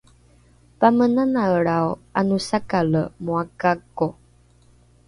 pamenanaelrao ’anosakale moa gako